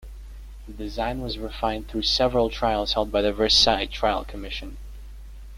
The design was refined through several trials held by the Versailles Trial Commission.